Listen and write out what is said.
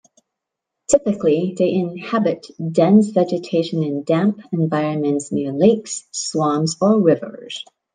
Typically they inhabit dense vegetation in damp environments near lakes, swamps or rivers.